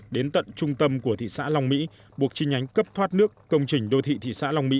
đến tận trung tâm của thị xã long mỹ buộc chi nhánh cấp thoát nước công trình đô thị thị xã long mỹ